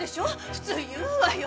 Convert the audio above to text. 普通言うわよ。